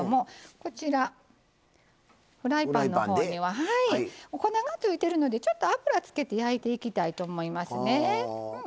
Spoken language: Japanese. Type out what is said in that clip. こちらフライパンの方には粉がついてるのでちょっと油つけて焼いていきたいと思いますね。